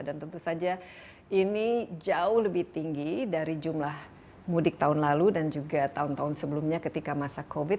dan tentu saja ini jauh lebih tinggi dari jumlah mudik tahun lalu dan juga tahun tahun sebelumnya ketika masa covid